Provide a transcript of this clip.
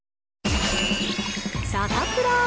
サタプラ。